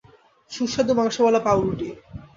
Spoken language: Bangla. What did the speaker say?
সুস্বাদু মাংসওয়ালা পাউরুটি।